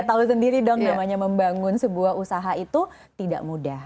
tahu sendiri dong namanya membangun sebuah usaha itu tidak mudah